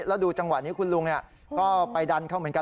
แล้วดูจังหวะนี้คุณลุงก็ไปดันเขาเหมือนกัน